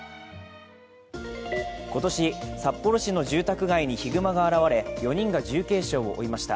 今年、札幌市の住宅にひぐまが現れ４人が重軽傷を負いました。